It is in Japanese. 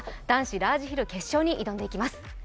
男子ラージヒル決勝に挑んでいきます。